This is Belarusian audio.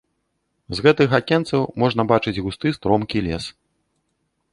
З гэтых акенцаў можна бачыць густы стромкі лес.